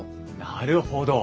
なるほど。